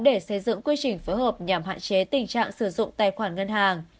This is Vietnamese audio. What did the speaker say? để xây dựng quy trình phối hợp nhằm hạn chế tình trạng sử dụng tài khoản ngân hàng